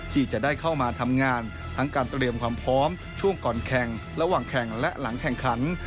ที่จะได้เข้ามาทำงานทั้งการเตรียมความพร้อมช่วงก่อนแข่งระหว่างแข่งและหลังแข่งขัน